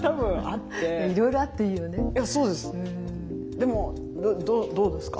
でもどうですか？